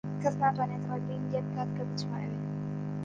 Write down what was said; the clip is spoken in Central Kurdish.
کەس ناتوانێت ڕێگریم لێ بکات کە بچمە ئەوێ.